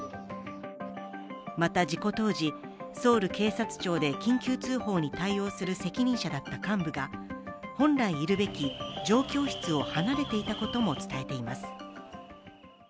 また事故当時、ソウル警察庁で緊急通報に対応する責任者だった幹部が本来いるべき状況室を離れていたことも伝えています。